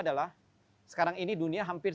adalah sekarang ini dunia hampir